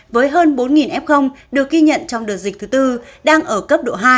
với hơn bốn f được ghi nhận trong đợt dịch thứ tư đang ở cấp độ hai